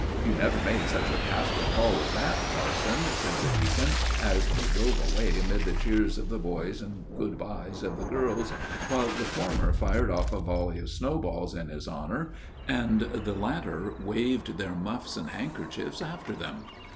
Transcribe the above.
"You never made such a pastoral call as that, parson," said the deacon, as they drove away amid the cheers of the boys and the "good bys" of the girls, while the former fired off a volley of snow balls in his honor, and the latter waved their muffs and handkerchiefs after them.